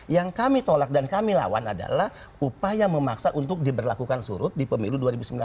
yang kami tolak dan kami lawan adalah upaya memaksa untuk diberlakukan surut di pemilu dua ribu sembilan belas